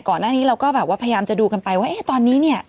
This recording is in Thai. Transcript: ก่อนหน้านี้เราก็แบบว่าพยายามจะดูกันไปว่าตอนนี้เนี่ย